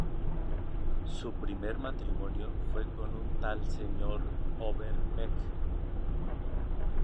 Su primer matrimonio fue con un tal señor Overbeck.